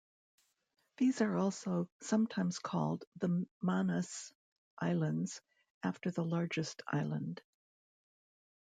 These are also sometimes called the Manus Islands, after the largest island.